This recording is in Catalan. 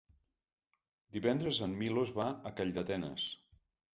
Divendres en Milos va a Calldetenes.